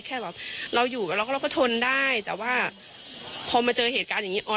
แค่แบบเราอยู่กับเราก็เราก็ทนได้แต่ว่าพอมาเจอเหตุการณ์อย่างนี้